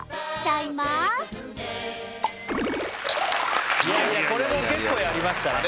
いやいやこれも結構やりましたね